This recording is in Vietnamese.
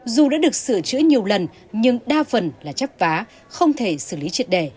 dù đã được sửa chữa nhiều lần nhưng đa phần là chấp phá không thể xử lý triệt đề